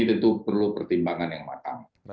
tentu perlu pertimbangan yang matang